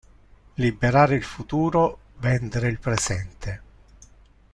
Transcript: Liberare il futuro, vendere il presente.